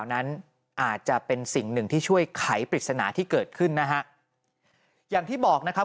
หลังจากพบศพผู้หญิงปริศนาตายตรงนี้ครับ